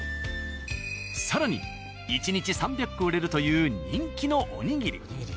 更に１日３００個売れるという人気のおにぎり。